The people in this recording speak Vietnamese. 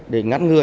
để ngăn ngừa